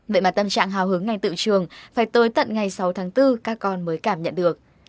vậy mà tâm trạng hào hứng ngay tự trường phải tới tận ngày sáu tháng bốn các con mới cảm nhận được